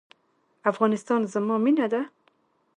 افغانستان زما مینه ده؟